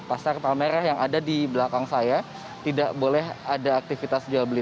pasar palmerah yang ada di belakang saya tidak boleh ada aktivitas jual beli